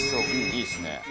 いいっすね。